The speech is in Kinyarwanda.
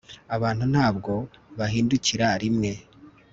abantu ntabwo bahindukira rimwe